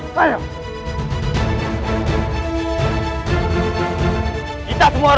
sekarang kita ambil jalan memutar